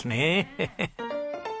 ヘヘッ。